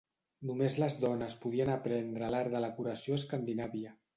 Només les dones podien aprendre l'art de la curació a Escandinàvia.